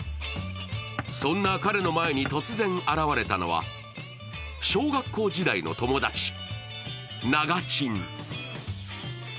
そんな彼の前に突然、現れたのは小学校時代の友達、ながちん。